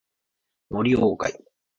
森鴎外